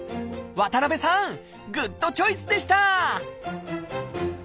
渡さんグッドチョイスでした！